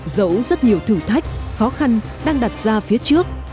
dấu rất nhiều thử thách khó khăn đang đặt ra phía trước